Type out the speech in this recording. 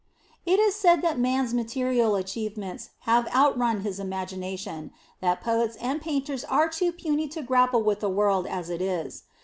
It is said that man's material achievements have outrun his imagination; that poets and painters are too puny to grapple with the world as it is.